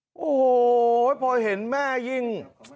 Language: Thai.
โอ้โหพอเห็นแม่ยิ่ง